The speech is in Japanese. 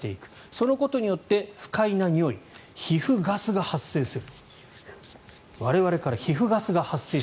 そのことによって不快なにおい皮膚ガスが発生する。